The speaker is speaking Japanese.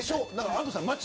安藤さん